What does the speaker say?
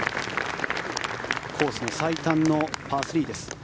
コースの最短のパー３です。